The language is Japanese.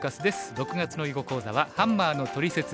６月の囲碁講座は「ハンマーのトリセツ③」。